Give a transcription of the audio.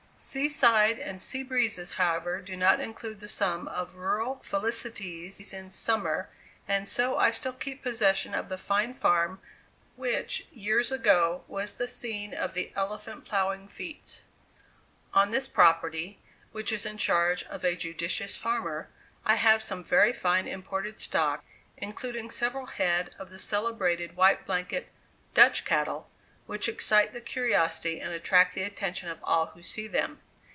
Sea side and sea breezes, however, do not include the sum of rural felicities in summer; and so I still keep possession of the fine farm which, years ago, was the scene of the elephant plowing feats. On this property, which is in charge of a judicious farmer, I have some very fine imported stock, including several head of the celebrated white blanket "Dutch cattle," which excite the curiosity and attract the attention of all who see them.